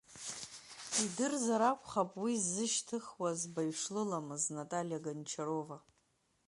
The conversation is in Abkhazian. Идырзар акәхап уи ззышьҭыхуаз баҩ шлыламыз Наталиа Гончарова!